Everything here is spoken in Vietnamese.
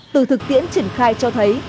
từ thực tiễn triển khai cho thấy